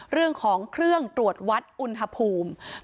เรื่องของเครื่องตรวจวัดอุณหภูมิ